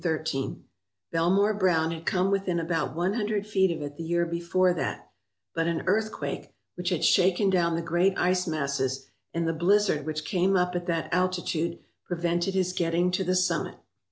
Belmore Browne had come within about one hundred feet of it the year before that, but an earth quake, which had shaken down the great ice masses, and the blizzard which came up at that altitude prevented his getting to the summit.